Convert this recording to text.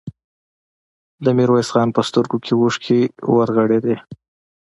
د ميرويس خان په سترګو کې اوښکې ورغړېدې.